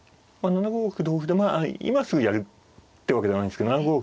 ７五歩同歩でまあ今すぐやるってわけじゃないんですけど７五